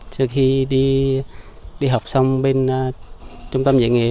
sau khi đi học xong bên trung tâm dạy nghề